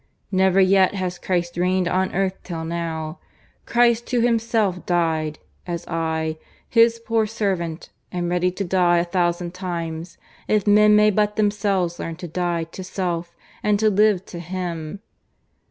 Never yet has Christ reigned on earth till now Christ who Himself died, as I, His poor servant, am ready to die a thousand times, if men may but themselves learn to die to self and to live to Him.